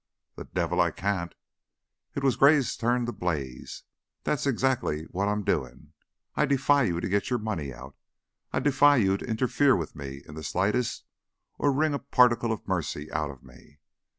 "The devil I can't!" It was Gray's turn to blaze. "That's exactly what I'm doing. I defy you to get your money out. I defy you to interfere with me in the slightest or to wring a particle of mercy out of me.